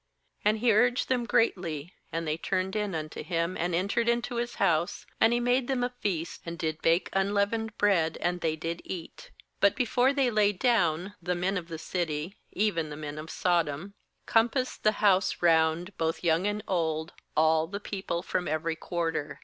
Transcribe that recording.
3And he urged them greatly; and they turned in unto him, and entered into his house; and he made them a feast, and did bake un leavened bread, and they did eat. 4But before thfiy lay down, the men of the city, even the men of Sodom, compassed the house round, both young and old, all the people from every quarter.